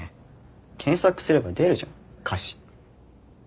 検索すれば出るじゃん歌詞。